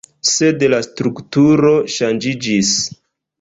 Sed la strukturo ŝanĝiĝis.